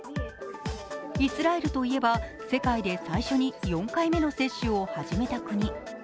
イスラエルといえば世界で最初に４回目の接種を始めた国。